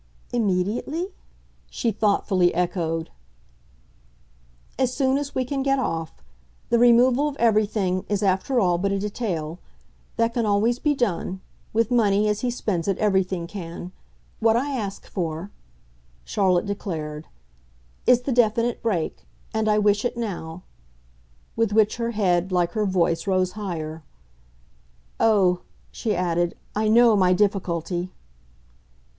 "Immediately?" she thoughtfully echoed. "As soon as we can get off. The removal of everything is, after all, but a detail. That can always be done; with money, as he spends it, everything can. What I ask for," Charlotte declared, "is the definite break. And I wish it now." With which her head, like her voice rose higher. "Oh," she added, "I know my difficulty!"